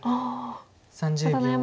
３０秒。